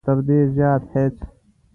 تر دې زیات هېڅ.